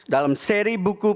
dalam seri buku buku